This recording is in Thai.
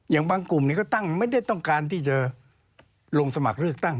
อย่างบางกลุ่มนี้ก็ตั้งไม่ได้ต้องการที่จะลงสมัครเลือกตั้ง